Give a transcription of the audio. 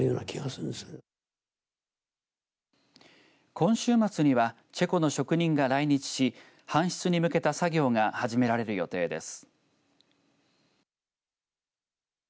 今週末にはチェコの職人が来日し搬出に向けた作業が始められる予定です。